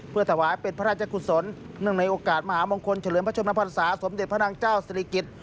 เพื่อถวายเป็นพระราชกุศลเนื่องในโอกาสมหามงคลเฉลิมพระชมพันศาสมเด็จพระนางเจ้าศิริกิจ